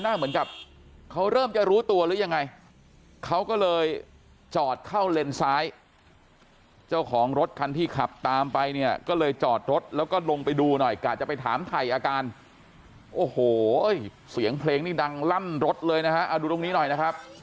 เหมือนกับเขาเริ่มจะรู้ตัวหรือยังไงเขาก็เลยจอดเข้าเลนซ้ายเจ้าของรถคันที่ขับตามไปเนี่ยก็เลยจอดรถแล้วก็ลงไปดูหน่อยกะจะไปถามถ่ายอาการโอ้โหเสียงเพลงนี่ดังลั่นรถเลยนะฮะเอาดูตรงนี้หน่อยนะครับ